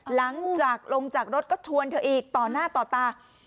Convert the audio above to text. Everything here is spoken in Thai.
หลังจากลงจากรถก็ชวนเธออีกต่อหน้าต่อตา